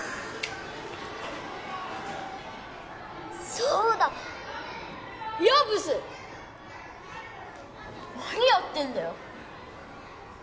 そうだようブス何やってんだよ